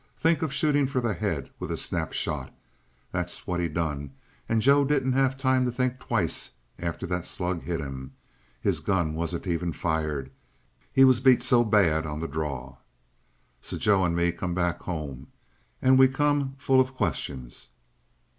Think of shooting for the head with a snap shot! That's what he done and Joe didn't have time to think twice after that slug hit him. His gun wasn't even fired, he was beat so bad on the draw. "So Joe and me come back home. And we come full of questions!"